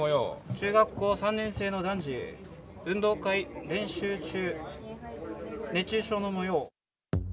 中学校３年生の男児、運動会練習中、熱中症のもよう。